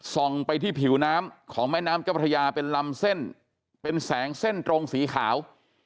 ไปที่ผิวน้ำของแม่น้ำเจ้าพระยาเป็นลำเส้นเป็นแสงเส้นตรงสีขาว